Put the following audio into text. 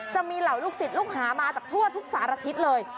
จะมีเหล่าลูกศิษย์ลูกหามาจากทั่วทุกสารทิศเลย